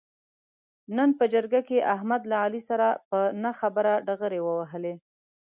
نن په جرګه کې احمد له علي سره په نه خبره ډغرې و وهلې.